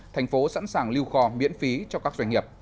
thành phố sẵn sàng lưu kho miễn phí cho các doanh nghiệp